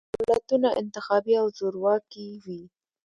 دولتونه انتخابي او زورواکي وي.